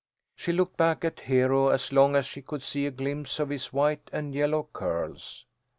She looked back at Hero as long as she could see a glimpse of his white and yellow curls.